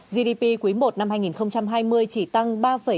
gdp quý i năm hai nghìn hai mươi chỉ tăng ba tám mươi hai